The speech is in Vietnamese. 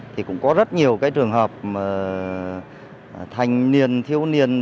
thì cũng có rất nhiều cái trường hợp thanh niên thiếu niên